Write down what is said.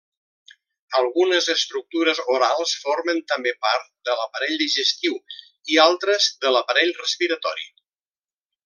Algunes estructures orals formen també part de l'aparell digestiu i altres de l'aparell respiratori.